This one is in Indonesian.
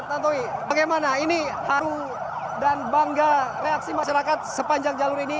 tantowi bagaimana ini haru dan bangga reaksi masyarakat sepanjang jalur ini